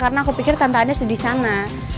karena aku pikir tante anies ada di sana